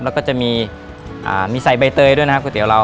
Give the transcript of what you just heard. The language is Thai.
แล้วก็จะมีใส่ใบเตยด้วยนะครับก๋วเรา